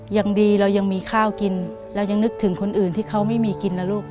ยังดีเรายังมีข้าวกินเรายังนึกถึงคนอื่นที่เขาไม่มีกินนะลูก